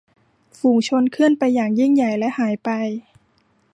ฝูงชนเคลื่อนไปอย่างยิ่งใหญ่และหายไป